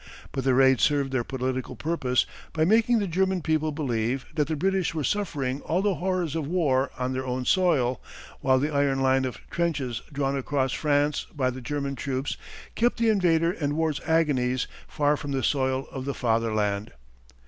But the raids served their political purpose by making the German people believe that the British were suffering all the horrors of war on their own soil, while the iron line of trenches drawn across France by the German troops kept the invader and war's agonies far from the soil of the Fatherland.